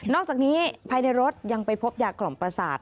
อกจากนี้ภายในรถยังไปพบยากล่อมประสาท